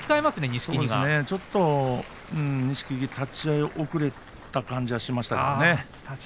錦木ちょっと立ち合い遅れた感じがしましたね。